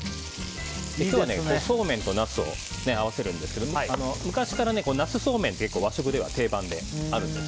そうめんとナスを合わせるんですけど昔からナスそうめんって和食では定番であるんです。